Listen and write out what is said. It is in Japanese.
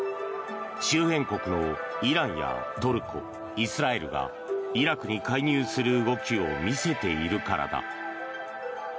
周辺国のイランやトルコ、イスラエルがイラクに介入する動きを見せているからだ。